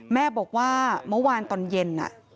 แม่บอกว่าเมื่อวานตอนเย็น